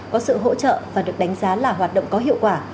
có sự hỗ trợ và được đánh giá là hoạt động có hiệu quả